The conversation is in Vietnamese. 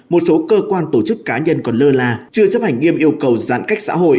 một số cơ quan tổ chức cá nhân còn lơ là chưa chấp hành nghiêm yêu cầu giãn cách xã hội